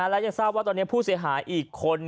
และยังทราบว่าตอนนี้ผู้เสียหายอีกคน